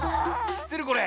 しってるこれ？